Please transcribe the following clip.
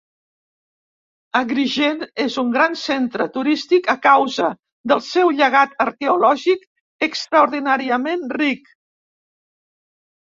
Agrigent és un gran centre turístic a causa del seu llegat arqueològic extraordinàriament ric.